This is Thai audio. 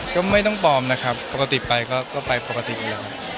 ก็ไม่ต้องปลอมนะครับปกติไปก็ไปปกติอยู่แล้วครับ